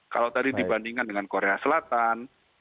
kalau tadi dibandingkan dengan korea selatan